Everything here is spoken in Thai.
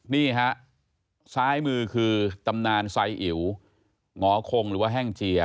นี่ฮะซ้ายมือคือตำนานไซอิ๋วหงอคงหรือว่าแห้งเจีย